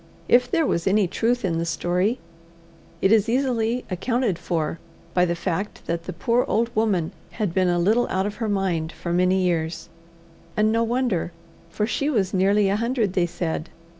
If there was any truth in the story, it is easily accounted for by the fact that the poor old woman had been a little out of her mind for many years, and no wonder, for she was nearly a hundred, they said.